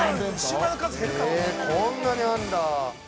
◆へぇ、こんなにあんだ。